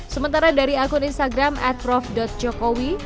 sementara dari akun instagram atprof jokowi